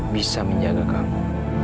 bisa menjaga kamu